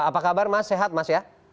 apa kabar mas sehat mas ya